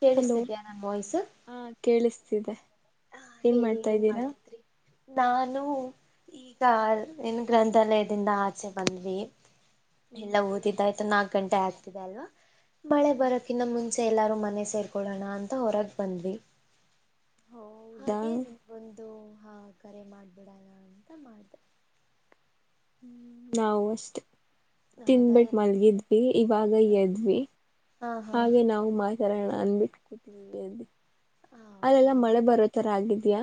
ಕೇಳಿಸ್ತಿದ್ಯಾ ನನ್ ವಾಯ್ಸು ಸಿದೆ ಹ ಏನ್ ಹೇಳಿ ಮಾಡ್ತಾ ಇದ್ದೀರಾ ಮಾಡ್ತಿದ್ರಿ ನಾನು ಈಗ ಏನು ಗ್ರಂಥಾಲಯದಿಂದ ಆಚೆ ಬಂದ್ವಿ ಹ್ಮ್ ಎಲ್ಲಾ ಓದಿದ್ದಯ್ತು ನಾು ಗಂಟೆ ಆಗ್ತಿದೆ ಅಲ್ವಾ ಮಳೆ ಹ್ಮ್ ಬರಕನ್ನ ಮುಂಚೆ ಸೆ ಎಲ್ಲಾರು ಮನೆ ಸೇರ್ಕೊಳ್ಳೋಣ ಅಂತ ಹೊರಗ್ ಬಂದ್ವಿ ಹೌದಾ ಹಾಗೆ ಹ್ಮ್ ನಿಮ್ಗೊಂದು ಹಾ ಕರೆ ಮಾಡ್ಬಿಡಲ್ಲ ಅಂತ ಮಾಡ್ದ ಹ್ಮ ನವಸ್ತ್ ಹೌದಾ ತಿನ್ಟ್ಟು ಏನ್ ಮಾಡ್ತಿದ್ದೆ ಮಲ್ಗಿದ್ವಿ ಇವಾಗ ಎದ್ವಿ ಹಾ ಹಾ ಹಾಗೆ ನಾವು ಮಾತಡೋಣ ನನ್ ಬಿಟ್ಟು ಕುೂತನ ಅ ಅಲ್ಲೆಲ್ಲ ಹೌದಾ ಮಳೆ ಬರೋ ತರ ಆಗಿದ್ಯಾ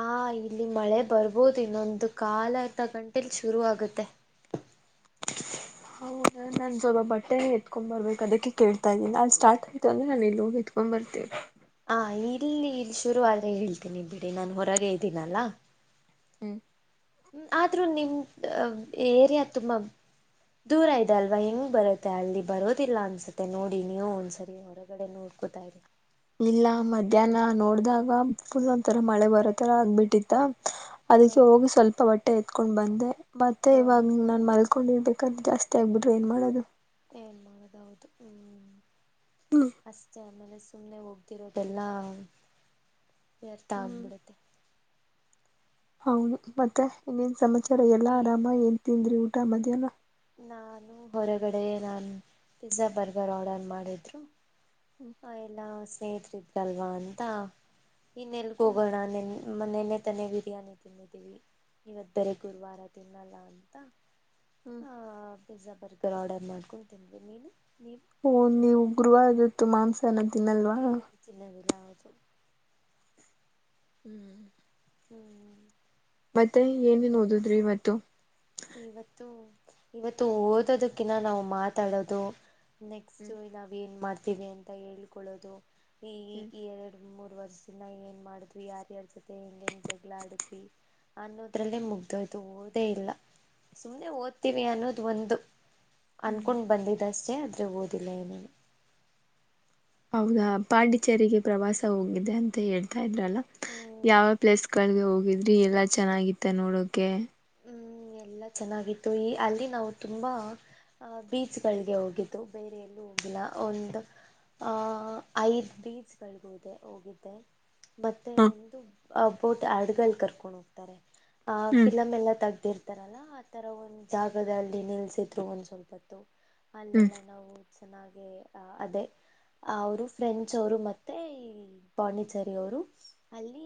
ಆ ಇಲ್ಲಿ ಮಳೆ ಬರ್ಬೋದು ಇನ್ನೊಂದು ಕಾಲ ಅರ್ಧ ಗಂಟಲ್ ಶುರು ಆಗುತ್ತೆ ಹೌದಾ ನಾನನ್ ಸ್ವಲ್ ಬಟ್ಟೆ ಹಿಡ್ಕಂಡ್ ಬರ್ಬೇಕು ಅದಕ್ಕೆ ಕೇಳ್ತಾ ಇದೀನಿ ಅಲಿ ಸಾರ್ಟ್ ಇತು ಅಂದ್ರೆ ನಾನ ಎಲ್ಲಿೋಗಿ ಹಿಡ್ಕೊಂಡ ಬರ್ತೀನಿ ಹ ಇಲ್ಲಿ ಇಲ್ಲಿ ಶುರು ಆಡ್ರೆ ಹೇಳ್ತೀನಿ ಬಿಡಿ ನಾನನ್ ಉರಗೆ ಇದ್ದೀನಲ್ಲ. ಹ್ಮ. ಹ್ಮ್ ಆದ್ರೂ ನಿಮ್ ಏರಿಯಾ ತುಂಬಾ ದೂರ ಇದೆ ಅಲ್ವಾ ಹೆಂಗ್ ಬರುತ್ತೆ ಅಲ್ಲಿ ಬರೋದಿಲ್ಲ ಅನ್ಸುತ್ತೆ ನೋಡಿ ನೀವು ಒಂದ್ಸರಿ ಇಲ್ಲ ಮಧ್ಯಾಹ್ನ ನೋಡ್ದಾಗ ಫುಲ್ ಒಥರ ಮಳೆ ಬರೋತರ ಆಗ್ಬಿಟ್ಟಿತ್ತ. ಹಾ ಅದಕ್ಕೆ ಹೋಗಿ ಸ್ವಲ್ಪ ಬಟ್ಟೆ ಎತಿ ಎತಕೊಂಡ ಬಂದೆ. ಮತ್ತೆ ಹಾ ಹಾ ಇವಾಗ ನಾನ್ ಮಲ್ ಹಕೊಂಡಿರ್ಬೇಕಾದ್ರ ಜಾಸ್ತಿ ಆಗ್ಬಿಟ್ರೆ ಏನ್ ಮಾಡೋದು [inaudible] ಹ್ಮ್ [inaudible] ಸುಮ್ನೆ ಹೋಗತಿರೋದೆಲ್ಲಾ ವ್ಯರ್ಥ ಆಗ್ಬಿಡುತ್ತೆ. ಹೌದು. ಮತ್ತೆ ಹ್ಮ್ ಇನ್ನೇನ್ ಸಮಾಚಾರ ಎಲ್ಲಾ ಆರಾಮ ಏನ್ ತಿಂದ್ರಿ ಊಟ ಮತ [unintelligible] ನಾನು ಹೊರಗಡೆ ನಾನು ಪಿಜ್ಜಾ ಬರ್ಗರ್ ಆರ್ಡರ್ ಮಾಡಿದ್ರು. [unintelligible] ಬೇಕಿತ್ತಲ್ವಾ ಅಂತ ಇನ್ ಎಲ್ಲಿಗ ಹೋಗೋಣ ನಿನ್ನ ಮೊನ್ನೆನೇ ತನೆ ಬಿರಿಯಾನಿ ತಿನ್ನಿದ್ದೀವಿ ಇವತ್ ಎಲ್ಲಿ ಗುರುವಾರ ತಿನ್ನಲ್ಲ ಅಂತ ಹ್ಮ್ ಪಿಜ್ಜಾ ಬರ್ಗರ್ ಆರ್ಡರ್ ಮಾಡ್ಕೊಂಡ ತಿಂದ್ವಿ ನೀನು ನೀವು ಹಓ ನೀವು ಗುರುವಾರ [unintelligible] ಮಾಂಸ [unintelligible] ಹ್ಮ್ ತಿನ್ನೋದಿಲ್ಲ ಹೌದು ಹ್ಮ್ ಹ್ಮ್ ಮತ್ತೆ ಏನನ್ ಓದುದ್ರಿ ಇವತ್ತು ಇವತ್ತು ಇವತ್ತು ಓದೋದಕ್ಕಿನ್ನ ನಾವು ಮಾತಾಡೋದು ನೆಕ್ಸ್ಟ್ ಇ ನಾವೇ ಏನ ಮಾಡ ಡ್ತೀನಿ ಅಂತ ಹೇಳ್ಕೊದು ಇ ಇ ಇ ಎರಡು ಮೂರ್ ವರ್ಷ ದಿನ ಏನ್ ಮಾಡಿದ್ವಿ ಯಾರ್ಯಾರ್ ಜೊತೆ ಹೆಂಗ ಹೆಂಗ್ ಜಗಳ ಆಡಿದ್ವಿ ಅನ್ನೋದ್ರಲ್ಲೇ ಮುಗ್ದೋಯ್ತು ಓದೇ ಇಲ್ಲ ಸುಮ್ಮ್ನೆ ಓದ್ತೀವಿ ಅನ್ನೋದು ಒಂದು ಅನ್ಕೊಂಡ್ ಬಂದಿದ್ದಷ್ಟೇ ಅತ್ರ ಬದಿಲ್ಲ ಏನುವೇ ಹೌದಾ ಪಾಂಡಿಚೇರಿಗೆ ಪ್ರವಾಸ ಹೋಗಿದೆ ಅಂತ ಹೇಳಿದೆ [unintelligible] ಹ್ಮ್ ಯಾವ್ಯಾವ್ ಪ್ಲೇಸ್ ಗಳಲ್ಲಿ ಹೋಗಿ ೀ ಎಲ್ಲಾ ಚೆನ್ನಾಗಿತ್ತ ನೋಡೋಕೆ ಹ ಎಲ್ಲ ಚೆನ್ನಾಗಿತ್ತು ಈ ಅಲ್ಲಿ ನಾವು ತುಂಬ ಬೀಚ್ಗಳಿಗೆ ಹೋಗಿದ್ದು ಬೇರೆ ಎಲ್ಲೂ ಹೋಗಿಲ್ಲ ಒಂದು ಐದು ಬೀಚ್ಗಳಗೋದೆ ಹೋಗಿದ್ದೆ ಮತ್ತೆ ಹ ಒಂದು ಅ ಬೋಟ್ ಹರ್ಡ್ಗಳು ಕರ್ಕೊಂಡು ಹೋಗ್ತಾರೆ ಹ ಹ್ಮ್ ಎಲ್ಲಾ ತೆಗ್ದಿರ್ತಾರಲ್ಲಾ ಆ ತರ ಒಂದ್ ಜಾಗದಲ್ಲಿ ನಿಲ್ಸಿದ್ರು ಒಂದ್ ಸ್ವಲ್ಪತ್ತು ಹ್ಮ್ ಅಲ್ಲೆಲ್ಲ ನಾವು ಚೆನ್ನಾಗೆ ಅ ಅದೇ ಅವರು ಫ್ರೆಂಚ್ ಅವರು ಮತ್ತೆ ಈ ಪಾಂಡಿಚೇರಿ ಅವರು ಅಲ್ಲಿ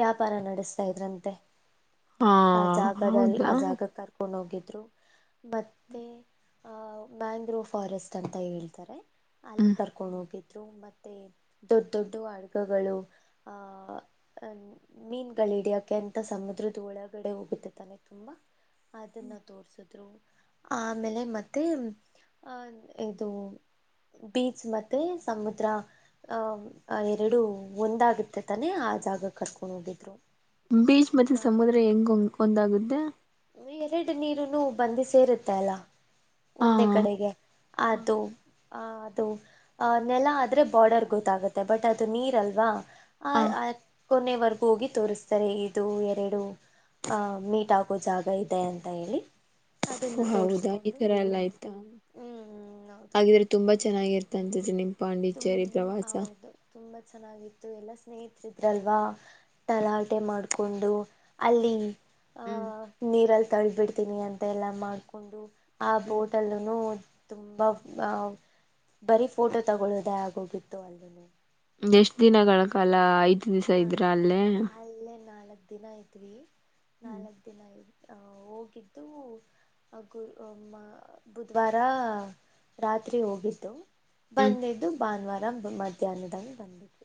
ವ್ಯಾಪಾರ ನಡೆಸ್ತಾ ಇದ್ರಂತೆ ಹಾ ಹೌದಾ ಕೊಂಡ ಹೋಗಿದ್ರು ಮತ್ತೆ ಆಹ್ ಮ್ಯಾಂಗ್ರೋವ್ ಫಾರೆಸ್ಟ್ ಅಂತ ಹೇಳ್ತಾರೆ ಅಲ್ಲಿ ಹ್ಮ್ ಕರ್ಕೊಂಡ್ ಹೋಗಿದ್ರು ಮತ್ತೆ ದೊಡ್ ದೊಡ್ಡ ಅಡ್ಗಗಳು ಆಹ್ ಅ ಮೀನ್ಗಳು ಹಿಡಿಯಕಂತ ಸಮುದ್ರದ ಒಳ ಗಡೆ ಹೋಗುತ್ತೆ ತಾನೆ ತುಂಬಾ ಅದನ್ನ ತೋರ್ಸಿದ್ರು ಆಮೇಲೆ ಮತ್ತೆ ಅಹ ಇದು ಬೀಚ್ ಮತ್ತೆ ಸಮುದ್ರ ಅಹ ಎರಡು ಒಂದಾಗುತ್ತೆ ತಾನೆ ಆ ಜಾಗ ಕರ್ಕೊಂಡ್ ಹೋಗಿದ್ರು ಬೀಚ್ ಮತ್ತೆ ನಾ ಸಮುದ್ರ ಹೆಂಗಂಗ್ ಒಂದಾಗುತ್ತೆ ಎರಡು ನೀರುನು ಬಂದು ಸೇರುತ್ತೆ ಅಲ್ಲ ಹಾ ಒಂದೇ ಕಡೆಗೆ ಅದು ಆ ಅದು ನೆಲ ಆದರೆ ಬಾರ್ಡರ್ ಗೊತ್ತಾಗುತ್ತೆ ಬಟ್ ಅದು ನೀರಲ್ವಾ ಹ ಆಯ್ ಆಯ್ ಕೊನೆಯವರೆಗೂ ಹೋಗಿ ತೋರಿಸ್ತಾರೆ ಇದು ಎರಡು ಹ ಮೀಟ ು ಜಾಗ ಇದೆ ಅಂತ ಹೇಳಿ ಅದನ್ನ ಹೌದಾ ಈ ತೋರಿಸ್ಕೊಂಡು ತರ ಎಲ್ಲ ಹ್ಮ್ ಆಯ್ತಾ ಹ್ಮ್ ಹೌದು ಹಾಗಿದ್ರೆ ತುಂಬಾ ಚೆನ್ನಾಗಿರ್ತಂತ ಜನಮ ತುಮ್ ಪಾಂಡಿಚೇರಿ ಪ್ರವಾಸ ಹೌದು ತುಂಬಾ ಚೆನ್ನಾಗಿತ್ತು ಎಲ್ಲ ಸ್ನೇಹಿತರ ಇದ್ರಲ್ವ ತಲಾಟೆ ಮಾಡಿಕೊಂಡು ಅಲ್ಲಿ ಹ ಹ್ಮ್ ನೀರಲ್ ತಳ್ಿಬಿಡ್ತೀನಿ ಅಂತ ಎಲ್ಲ ಮಾಡ್ಕೊಂಡು ಆ ಹ್ಮ್ ಬೋಟಲ್ನು ತುಂಬಾ ಬರೀ ಫೋಟೋ ತಗೊಳ್ಳೋುದೇ ಆಗೋಗಿತ್ತು ಅಲ್ಲನ ಎಷ್ಟ್ ದಿನಗಳ ಕಾಲ ಆಯ್ತು ಹತ್ತು ದಿವಸ ಇದ್ರ ಅಲ್ಲೇ ಹ ದಿನ ಐತ್ವಿ ಹ್ಮ್ ನಾಲ್ಕ್ ದಿನ ಇದು ಹೋಗಿದ್ದು ಗ ಬುಧವಾರ ರಾತ್ರಿ ಹೋಗಿದ್ದು ಹ್ಮ್ ಬಂದಿದ್ದು ಭಾನುವಾರ [inaudible] ಬಂದು ಮಧ್ಯಾಹ್ನ ಬಂದಿದ್ಧ್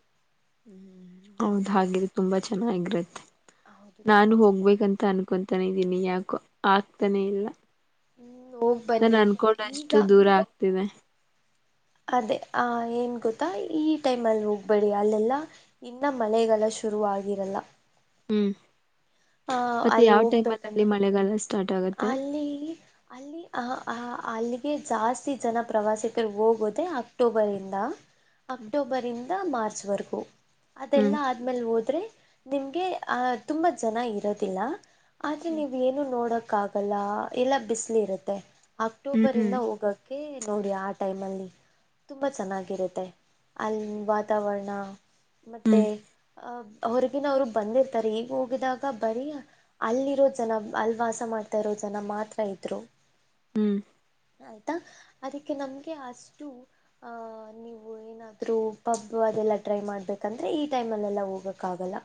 ಹ್ಮ್ಮ್ ಹೌದ ಹಾಗೆ ತುಂಬಾ ಚೆನ್ನಾಗಿರುತ್ತೆ ಹೌದು ನಾನು ತುಂಬಾ ಹೋಗ್ಬೇಕಂತ ಚೆನ್ನಾಗಿತ್ತು ಅನ್ಕೊತಾನ ಇದೀನಿ ಯಾಕೋ ಆಗ್ತಾನೆ ಇಲ್ಲ ಹ್ಮ್ ಹೋಗ್ ನಾನು ಬನ್ನಿ ಈಗ ಅನ್ಕೊಂಡಷ್ಟು ದೂರ ಆಗ್ತಿದೆ ಅದೇ ಆ ಏನ್ ಗೊತ್ತಾ ಈ ಟೈಮ ಅಲ್ಲಿ ಹೋಗ್ಬೇಡಿ ಅಲ್ಲೆಲ್ಲ ಇನ್ನ ಮಳೆಗಾಲ ಶುರು ಆಗಿರಲ್ಲ ಹ್ಮ್ ಆ ಮತ್ತೆ ಅಲ್ಲಿ ಯಾವ್ ಟೈಮ್ ಅಲ್ಲಿ ಹೋಗ್ಬೇಕಂದ್ರೆ ಮಳೆಗಾಲ ಸ್ಟಾರ್ಟ್ ಆಗತ್ತೆ ಅಲ್ಲಿ ಅಲ್ಲಿ ಅ ಆ ಅಲ್ಲಿಗೆ ಜಾಸ್ತಿ ಜನ ಪ್ರವಾಸಿಗರಿಗೆ ಹೋಗೋದೆ ಅಕ್ಟೋಬರಿಂದ ಹ್ಮ್ ಅಕ್ಟೋಬರ್ ಇಂದ ಮಾರ್ಚ್ ರ್ಚ್ ವರೆಗೂ ಹ್ಮ್ ಅದೆಲ್ಲಾ ಆದ್ಮೇಲ್ ಹೋದ್ರೆ ನಿಮ್ಗೆ ಆಹ ತುಂಬಾ ಜನ ಇರೋದಿಲ್ಲ ಆದ್ರೆ ನೀವ್ ಏನು ನೋಡಕ್ ಕ್ಕಾಗಲ್ಲ ಎಲ್ಲ ಬಿಸ್ಲಿ ಇರುತ್ತೆ ಹ್ಮ್ ಅಕ್ಟೋಬರ್ ಇಂದ ಹೋಗಕ್ಕೆೆ ನೋಡಿ ಆ ಟೈಮಲ್ಲಿ ತುಂಬ ಚೆನ್ನಾಗಿರುತ್ತೆ ಅಲ್ಲಿ ವಾತಾವರಣ ಮತ್ತೆ ಹ್ಮ್ ಅ ಹೊರಗಿನ ಅವ್ರು ಬಂದಿರ್ತಾರೆ ಈಗ ಹೋಗಿದಾಗ ಬರೀ ಅಲ್ಲಿರೋ ಜನ ಅಲ್ಲಿ ವಾಸ ಮಾಡ್ ತಿರೋ ಜನ ಮಾತ್ರ ಇದ್ರು ಹ್ಮ್ ಅದಕ್ಕೆ ನಮ್ಗೆ ಅಷ್ಟು ಅಹ ನೀವು ಏನಾದ್ರೂ ಪಬ್ ಅದೆಲ್ಲ ಟ್ರೈ ಮಾಡ್ಬೇಕಂದ್ರೆ ಈ ಟೈಮ್ ಅಲ್ಲೆಲ್ಲ ಹೋಗ್ಕ್ ಆಗಲ್ಲ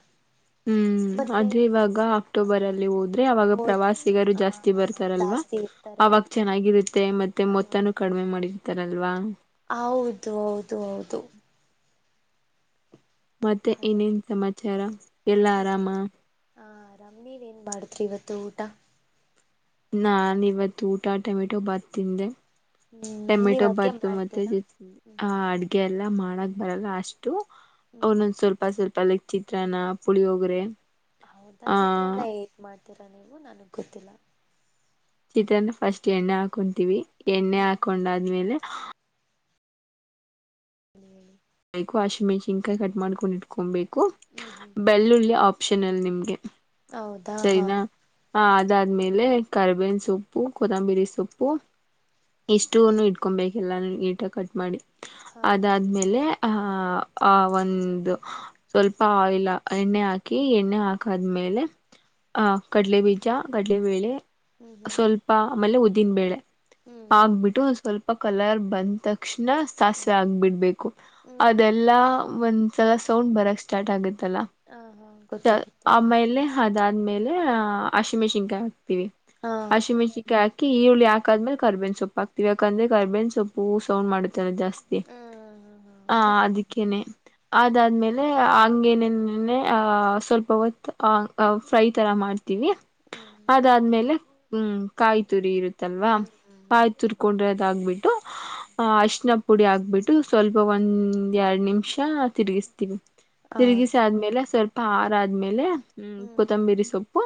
ಹ್ಮ್ ಅದೆ ಇವಾಗ ಅಕ್ಟೋಬರ್ ಅಲ್ಲಿ ಹೋದ್ರೆ ಅವಾಗ ಹೋದರೆ ಪ್ರವಾಸಿಗ ಜಾಸ್ತಿ ಬರ್ತಾರಲ್ವಾ ಜಾಸ್ತಿ ಇರ್ತಾರೆ ಅವಾಗ ಚೆನ್ನಾಗಿರುತ್ತೆ ಮತ್ತೆ ಮೊತ್ತನು ಆ ಕಡಿಮೆ ಮಾಡಿರ್ತಾರಲ್ ಅಲ್ವಾ ಹೌದು ಹೌದು ದು ಮತ್ತೆ ಇನ್ನನ್ ಅದೊಂದು ಸಮಾಚಾರ ಎಲ್ಲ ಆರಾಮ ಹಾ ಆರಾಮ್ ನೀವ್ ಏನ್ ಮಾಡಿದ್ರಿ ಇವತ್ತು ಊಟ ನಾನ್ ಇವತ್ತು ಊಟ ಟೊಮೆಟೊ ಬಾತ್ ತಿಂದೆ ಹ್ಮ್ ನೀವ್ ಟೊಮೆಟೊ ಅಡ್ಗೆ ಭಾತು ಮತ್ತೆ ಮಾಡ್ತೀರಾ ಹ್ಮ್ ಹ ಅಡ್ಗೆ ಎಲ್ಲ ಮಾಡಕ್ ಬರಲ್ಲ ಅಷ್ಟ ಹ್ಮ್ ಅವನೊಂದ ಸ್ವಲ್ಪ ಸ್ವಲ್ಪ ಪಲಕ್ ಚಿತ್ರನ ಪುಳಿ ಹೋಗ್ರೆ ಹೌದಾ ಚಿತ್ರನ ಮಾಡ್ತ ತ್ತೀರ ನೀವು ನನಗೆ ಗೊತ್ತಿಲ್ಲ ಚಿತ್ರಾನ್ ಫಸ್ಟ್ ಎಣ್ಣೆ ಹಾಕೊಂತೀವಿ ಎಣ್ಣೆ ಹ್ಮ್ ಹಾಕೊಂಡಾದ್ಮೇಲೆ ಹ್ಮ ಬೈಕು ಆಶಿಮೆಣಿಕಾಯಿ ಕಟ್ ಮಾಡ್ಕೊಂಡು ಇಟ್ಕೊಂಬಬೇಕು ಹ್ಮ್ ಹ್ಮ್ ಬೆಳ್ಳುಳ್ಳಿ ಆಪ್ ಆಪ್ಷನಲ್ಲಿ ನಿಮ್ಗೆ ಹೌದಾ ಹಾ ಸರಿನಾ ಹ ಹ್ಮ್ ಅದಾದ್ಮೇಲೆ ಕರಿಬೇನ್ ಸೊಪ್ಪು ಕೊತ್ತಂಬಿರಿ ಸೊಪ್ಪು ಇಷ್ಟು ಇಟ್ಕೊಬೇಕಲ್ಲ ಈಟಾಗಿ ಕಟ್ ಮಾಡಿ ಹಾ ಅದಾದ್ಮೇಲೆ ಹಹ ಆ ಒಂದು ಸ್ವಲ್ಪ ಆಯಿಲ್ ಎಣ್ಣೆ ಹಾಕಿ ಎಣ್ಣೆ ಹಾಕಾದ್ಮೇಲೆ ಅಹ ಕಡಲೆ ಬೀಜ ಕಡಲೆಬೇಳೆ ಹ್ಮ್ ಹ್ಮ್ ಸ್ವಲ್ಪ ಆಮೇಲೆ ಉದ್ದೀನ್ಬೇಳೆ ಹ್ಮ್ ಆಕ್ಬಿಟ್ಟು ಸ್ವಲ್ಪ ಕಲರ್ ಬಂದ ತಕ್ಷಣ ಹ್ಮ್ ಹ್ಮ್ ಸಾಸಿವೆ ಆಗ್ಬಿಡ್ಬೇಕು ಹ್ಮ್ ಅದೆಲ್ಲಾ ಒಂದ ಸಲಾ ಸೌಂಡ್ ಬರಕ್ ಸಾರ್ಟ್ ಆಗುತ್ತೆ ಹಾ ಹಾ ಗೊತ್ತು ಗೊತ್ತು ಹ ಆಮೇಲೆ ಅದಾದ್ಮೇಲೆ ಅಶಿಮೆ ಶಿನ್ಕಾಯಿತ ಹಾ ಅಶಿಮಿರ್ಚಿಕ ಕಿ ಈರುಳ್ಳಿ ಹಾಕಾದ್ಮೇಲೆ ಕರ್ಬೇನ್ ಸೊಪ್ಪ ಹಾಕ್ತಿವಿ ಯಾಕಂದ್ರೆ ಕರ್ಬೇನ್ ಸೊಪ್ಪು ಸೌಂಡ್ ಮಾಡುತ್ ಜಾಸ್ತಿ ಹ್ಮ್ ಹ ಹ್ಮ್ ಹೌದು ಅದಕ್ಕೇನೆ ಅದಾದ್ಮೇಲೆ ಹಂಗೇನೆನೆ ಆಹ ಸ್ವಲ್ಪ ಹೊತ್ ಅ ಅ ಫ್ರೈ ತರ ಮಾಡ್ ತಿ ಹ್ಮ್ ಅದಾದ್ಮೇಲೆ ಹ್ಮ್ ಕಾಯ್ ತುರಿ ಇರುತ್ ತಲ್ವಾ ಹ್ಮ್ ಹ್ಮ್ ಹ್ಮ್ ಪಾಯ್ ತುರ್ಕೊಂಡ್ರೆ ಅದ್ ಆಗ್ಬಿಟ್ಟು ಆಹ ಅರ್ಶಿಣ ಪುಡಿ ಹಾಕ್ಬಿಟ್ಟು ಸ್ವಲ್ಪ ಒಂದ್ ಎಡ್ ನಿಮಿಷ ತಿರ್ಗಿಸ್ತೀವಿ ತಿರುಗಿಸಿ ಹೌದಾ ಆದ್ಮೇಲೆ ಸ್ವಲ್ಪ್ ಪಾರ ಆದ್ಮೇಲೆ ಹ್ಮ್ ಕೊತ್ತಂಬೀರಿ ಸೊಪ್ ವಾ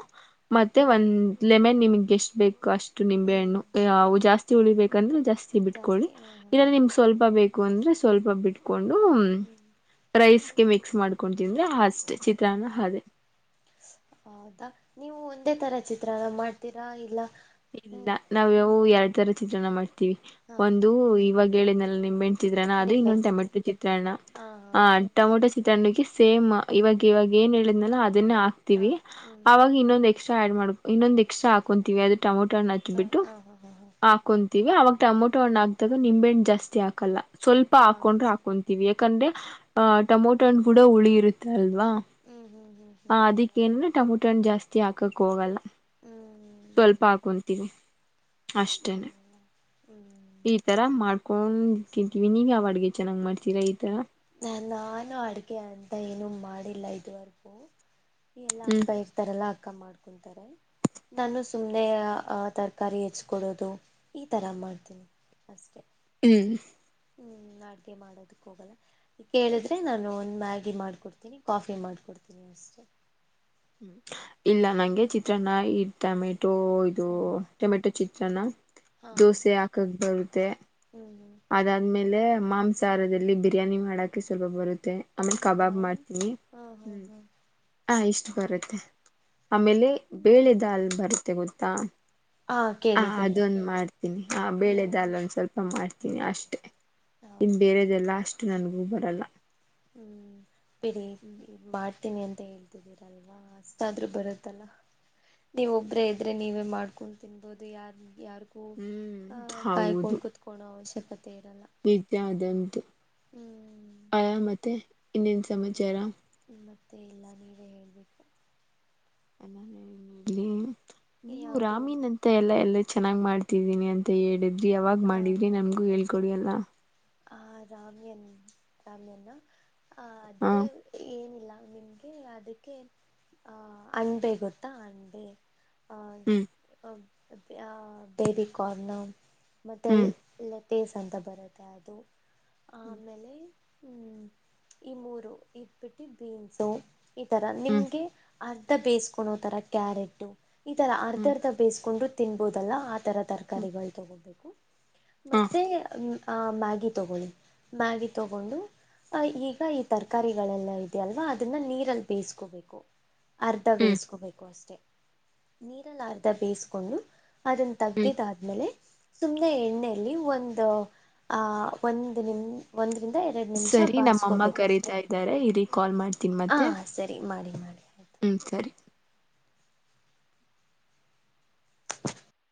ಮತ್ತೆ ಹ್ಮ್ ಒಂದ್ ಲೆಮನ್ ನಿಮ ಎಷ್ಟ ಬೇಕೊ ಅಷ್ ನಿಂಬೆ ಹ್ಮ್ ಹಣ್ಣು ಅವು ಜಾಸ್ತಿ ಉಳಿಬೇಕಂದ್ರೆ ಜಾಸ್ತಿ ಬಿಟ್ಕೊಳ್ಳಿ ಜಾಸ್ತಿ ಹಾ ಹಾ ಇಲ್ಲಂದ್ರೆ ನಿಮ್ಗ್ ಸ್ವಲ್ಪ ಬೇಕ್ ಗು ಅಂದ್ರೆ ಸ್ವಲ್ಪ ಬಿಟ್ಕ ಕೊಂಡು ಹ್ಮ್ ಪ್ರೈಸ್ ಕೆಮಿ ಮಿಕ್ಸ್ ಮಾಡ್ಕೊಂಡ್ ತಿಂದ್ರೆ ಅಷ್ಟೆ ಚಿತ್ರಾನ್ನ ಅದೇ ಹೌದಾ ನೀವು ಒಂದೇ ತರ ಚಿತ್ರನ ಮಾಡ್ತೀರಾ ಇಲ್ಲ ಇಲ್ಲ ಹ್ಮ್ ನಾವ್ಯವು ಎರಡ್ ಈ ತರ ಚಿತ್ರಣ ಮಾಡ್ ತಿ ಹಾ ಒಂದು ಇವಾಗ್ ಕೇಳಿದ್ನಾಲ್ಲ ನಿಮ್ ಹೆಣ್ ಚಿತ್ರಣ ಅದು ನಿಂಬೆಹಣ್ಣ ಇನ್ನೊಂದು ಚಿತ್ರಾನ್ನ ಟೊಮೆಟೋ ಚಿತ್ರಣ ಹಾ ಅ ಟೊಮೆಟೊ ಚಿ ತಂಡಗೆ ಸೇಮ್ ಇವಾಗ್ ಇವಾಗ್ ಏನ್ ಹೇಳಿದ್ನಲ್ಲ ಅದ್ ಅನ್ನ ಹಾ ಹಾ ಹಾ ಹಾಕ್ತಿವಿ ಹ್ಮ್ ಅವಾಗ್ ಇನ್ನೊಂದ ಎಗ್ ಎಕ್ಸ್ಟ್ರಾ ಆಡ್ ಮಾಡಕ್ ಇನ್ನೊಂದು ಎಕ್ಸಟ್ರಾ ಹಾಕೊಂತೀವಿ ಅದ್ ಟೊಮೊ ನಿಂಬೆ ಹಣ್ಣ್ ಹಾ ಹಚ್ಬಿಟ್ಟು ಹಾ ಹಾ ಹಾಕೊಂತೀವಿ ಅವಾಗ್ ಟಮೊಟೊ ಹಣ್ಣ ಹಕ್ದಾಗ ನಿಂಬೆಣ್ಣ ಜಾಸ್ತಿ ಹಾಕಲ್ಲ ಸ್ವಲ್ಪ ಹಾ ಹಾ ಹಾಕೊಂಡ್ರೆ ಸರಿ ಹಾಕೊಂತೀವಿ ಯಾಕಂದ್ರೆ ಆ ಟಮೋಟೊ ಹಣ್ಣ್ ಕೂಡ ಉಳಿ ಇರುತ್ತೆ ಅಲ್ ಲ್ವಾ ಹ್ಮ್ ಹ್ಮ್ ಹ್ಮ್ ಹ ಹ್ಮ್ ಅದಕ್ಕೆ ಹೌದು ಏನ್ ಟಮೊಟೋ ಹಣ್ಣ್ ಜಾಸ್ತಿ ಸ್ತಿ ಹಾಕಕ್ ಹೋಗಲ್ಲ ಹ್ಮ್ ಸ್ವಲ್ಪ ತೆಗಿ ಅಷ್ಟೇನೆ ಹ್ಮ್ ಹ್ಮ್ ಈ ತರ ಮಾಡ್ ಕೊಂಡ್ ತಿಂತೀವಿ ನೀವ್ ಯಾವ್ ಅಡಿಗೆ ಚೆನ್ನಾಗ್ ಮಾಡ್ತೀರಾ ಈತರ ನಾನು ಅಡಿಗೆ ಅಂತ ಏನು ಮಾಡಿಲ್ಲ ಇದುವರೆಗೂ ಎಲ್ಲಾ ಹ್ಮ್ ಅಕ್ಕ ಇರ್ತಾರಲ್ಲ ಅ ಮಾಡ್ಕೊತಾರೆ ನಾನು ಸುಮ್ನೆ ತರಕಾರಿ ಹೆಚ್ ಕೊೊಡೋದು ಈ ತರ ಮಾಡ್ತೀನಿ ಅಷ್ಟೇ ಹ್ಮ್ ಹ್ಮ್ ಅಡಗೆ ಮಾಡೋದಕ್ ಹೋಗಲ್ಲ ಈ ಕೇಳಿದ್ರೆ ನಾನು ಒಂದ ಮ್ಯಾಗಿ ಮಾಡ್ಕೊಡ್ತೀನಿ ಕಾಫಿ ಮಾಡ್ಕೊಡ್ತೀನಿ ಅಷ್ಟೆ ಇಲ್ಲ ನಂಗೆ ಚಿತ್ರನ್ನ ಇಡ್ತ ಮ ಅದು ಇದು ಹ್ಮ್ ಟೊಮೆಟೊ ಚಿತ್ರನ ಹಾ ಹಾ ದೋಸೆ ಹಾಕಕ್ ಬರುತ್ತೆ ಹ್ಮ್ ಹ್ಮ್ ಅದಾದ್ಮೇಲೆ ಹ್ಮ್ ಮಾಂಸಾಹಾರದಲ್ಲಿ ಬಿರಿಯಾನಿ ನೀ್ ಮಾಡಾಕಕ್ಕೆ ಸ್ವಲ್ಪ ಬರುತ್ತೆ ಮತ್ತೆ ಆಮೇಲೆ ಹೌದಾ ಕಬಾಬ್ ಮಾಡ್ತೀನಿ ಹಾ ಹಾ ಹ್ಮ್ ಹಾ ಹಾ ಇಷ್ಟು ಬರುತ್ತೆ ಆಮೇಲೆ ಬೇಳೆ ಹ್ಮ್ ದಾಲ್ ಬರುತ್ತೆ ಗೊತ್ತ ಹಾ ಹಾ ಅದೊಂದು ಮಾಡ್ತೀನಿ ಹ ಬೇಳೆ ಹ್ಮ್ ದಾಲ್ ಹ್ಮ್ ಒಂದ ಸ್ವಲ್ಪ ಮಾಡ್ತೀನಿ ನಿ ಅಷ್ಟೇ ಇನ್ ಹೌದಾ ಬೇರೆದೆಲ್ಲ ಅಷ್ಟು ನನ್ಗ ಹ ಬರಲ್ಲ ಹ್ಮ್ ಪಿರಿ ಮಾಡ ಹರ್ತೀನಿ ಅಂತ ಹೇಳ್ತಿದ್ದೀರಲ್ವಾ ಅಷ್ಟಾದರೂ ಬರುತ್ತಲ್ಲ ನೀವು ಒಬ್ಬರೇ ಇದ್ದರೆ ನೀವೇ ಮಾಡ್ಕೊಂಡು ತಿನ್ಬೋದು ಯಾರು ಯಾರಿಗೂ ಹ್ಮ್ ಅಹ ಕಾಯ್ಕೋೊಂಡ ಕುತ್ಕೋನೊ ಅವಶ್ಯಕತೆ ಇರಲ್ಲ ಬಿತ್ಯಾದಂತು ಹ್ಮ್ ಆಯ ಮತ್ತೆ ಇನ್ನೇನ್ ಸಮಾಚಾರ ಮತ್ತೆ ಎಲ್ಲ ನೀವೇ ಹೇಳ್ಬೇಕು ಅಲ್ಲಾ ನೀನ್ ನೀವು ಯಾವುದು ರಾಮೀನ್ ಅಂತ ಎಲ್ಲ ಎಲ್ಲ ಚೆನ್ನಾಗ್ ಮಾಡ್ತಿದ್ದೀನಿ ಅಂತ ಹೇಳಿದು ಯಾವಾಗ್ ಮಾಡಿದ್ರಿ ನಮಗು ಹ ಕುಡಿಯಲ್ಲ ಹಾ ರಾಮ್ಯನ್ ರಾಮ್ಯನ್ ಹ ಹ ಅದು ಏನಿಲ್ಲ ನಿಮ್ಗೆ ಅದಕ್ಕೆ ಆಹ ಅಣಂಬೆ ಗೊತ್ತಾ ಅಣ್ಬೆ ಹ್ಮ್ ಅ ಬೇಬಿ ಕಾರ್ನ ಮತ್ತೆ ಅಲ್ ಹ್ಮ್ ಲೆ ಟೇಸ್ ಅಂತ ಬರುತ್ತೆ ಆದ್ ತೊ ಹ್ಮ್ ಆಮೇಲೆ ಹ್ಮ್ ಈ ಮೂರು ಇಪ್ಪಟ್ಟಿ ಬೀನ್ಸು ಈ ತರ ಹ್ಮ್ ನಿಮ್ಗೆ ಆದ್ ಮತ್ತೆ ಬೇಯಿಸ್ಕೊಂಡೋತರ ಕ್ಯಾರೆಟು ಈ ತರ ಅರ್ಧ ಅರ್ಧ ಬೇಯ್ಕೊಂಡು ತಿನ್ಬೋದಲ್ಲಾ ಅ ತರ ಹ್ಮ್ ತರಕಾರಿಗಳು ತಗೊಬೇಕು ಹ್ಮ್ ಮತ್ತೆ ಹ ಹ ಮ್ಯಾಗ್ ಗಿ ತಗೊಳ್ಳಿ ಮ್ಯಾಗಿ ತಗೊಂಡು ಈಗ ಈ ತರಕಾರಿಗಳೆಲ್ಲ ಇದೆಯಾಲ್ವಾ ಅದನ್ನ ನೀರಲ್ಲಿ ಬೇಯಿಸ್ಕೋಬೇಕು ಅರ್ಧ ಹ್ಮ್ ಬೇಯಿಸ್ಕೋಬೇಕು ಅಷ್ಟೆ ನೀರಲ್ಲರ್ಧ ಬೇಯಿಸ್ಕೊಂಡು ಅದನ್ನ ಹ್ಮ್ ತಗ್ದಿದ್ದ ಆದ್ಮೇಲೆ ಸುಮ್ನೆ ಎಣ್ಣೆಯಲ್ಲಿ ಒಂದು ಆಹ ಒಂದ್ ನಿಮ್ ಒಂದ್ ಸರಿ ನಮ್ಮಮ್ಮ ಕರೀತಾ ಇದ್ದಾರೆ ಇರಿ ಇಲ್ಲಿ ಕಾಲ್ ಮಾಡ್ತೀನಿ ಹಾ ಮತ್ತೆ ಸರಿ ಮಾಡಿ ಮಾಡಿ ಆಯ್ತು ಹ್ಮ್ ಸರಿ [unintelligible]